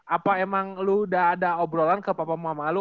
apa emang lu udah ada obrolan ke papa mama lu